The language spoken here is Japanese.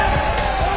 おい！